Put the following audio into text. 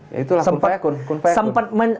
ya itulah kumpanya kun